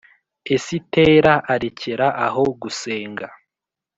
esitera arekera aho gusenga